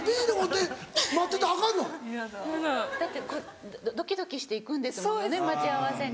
だってドキドキして行くんですものね待ち合わせに。